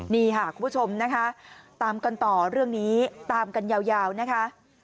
นี่ค่ะคุณผู้ชมนะคะตามกันต่อเรื่องนี้ตามกันยาวนะคะ